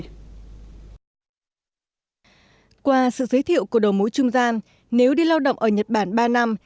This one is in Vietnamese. theo sự giới thiệu của đầu mũi trung gian nếu đi lao động ở nhật bản ba năm